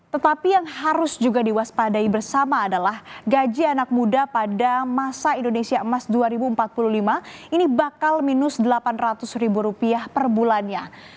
tetapi yang harus juga diwaspadai bersama adalah gaji anak muda pada masa indonesia emas dua ribu empat puluh lima ini bakal minus delapan ratus ribu rupiah per bulannya